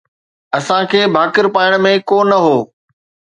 اسان کي ڀاڪر پائڻ ۾ ڪو نه هو